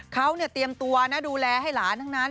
เขาตรวจเตรียมตัวดูแลให้หลานด้านนั้น